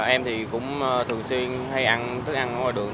em thì cũng thường xuyên hay ăn thức ăn ngoài đường